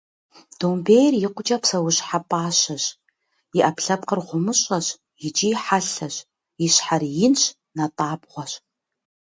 Домбейр икъукӏэ псэущхьэ пӏащэщ, и ӏэпкълъэпкъыр гъумыщӏэщ икӏи хьэлъэщ, и щхьэр инщ, натӏабгъуэщ.